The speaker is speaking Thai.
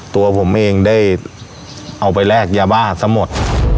ตัวผมเองได้เอาไปแลกยาบ้าซะหมด